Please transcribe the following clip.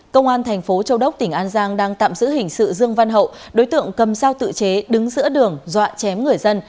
công an thành phố châu đốc tỉnh an giang đang tạm giữ hình sự dương văn hậu đối tượng cầm dao tự chế đứng giữa đường dọa chém người dân